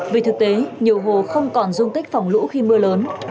vì thực tế nhiều hồ không còn dung tích phòng lũ khi mưa lớn